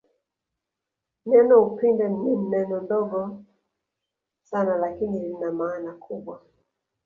Neno upendo ni neno dogo sana lakini lina maana kubwa